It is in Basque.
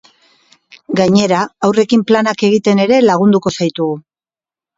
Gainera haurrekin planak egiten ere lagunduko zaitugu.